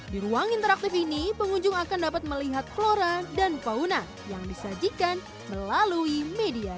di ruang interaktif ini pengunjung akan dapat melihat flora dan fauna yang disajikan melalui media